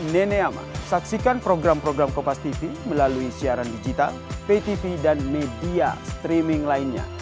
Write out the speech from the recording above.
nenek amar saksikan program program kompastv melalui siaran digital ptv dan media streaming lainnya